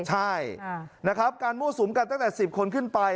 ใช่นะครับการมั่วสุมกันตั้งแต่๑๐คนขึ้นไป